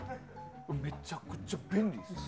めちゃくちゃ便利ですよ。